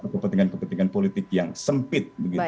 kepentingan kepentingan politik yang sempit